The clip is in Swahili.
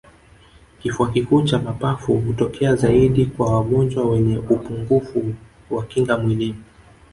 kifua kikuu cha mapafu hutokea zaidi kwa wagonjwa wenye upungufu wa kinga mwilini